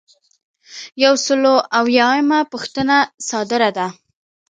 یو سل او اویایمه پوښتنه صادره ده.